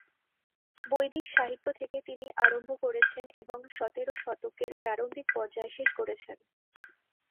বৈদিক সাহিত্য থেকে তিনি আরম্ভ করেছেন এবং সতের শতকের প্রারম্ভিক পর্যায়ে শেষ করেছেন।